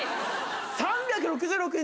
『３６６日』